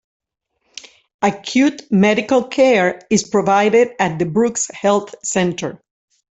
Acute medical care is provided at the Brooks Health Centre.